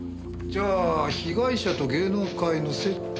じゃあ被害者と芸能界の接点は？